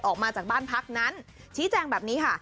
ออกมาจากบ้านพักนั้นชี้แจงแบบนี้ค่ะ